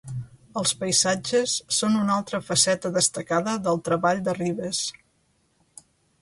Els paisatges són una altra faceta destacada del treball de Rivas.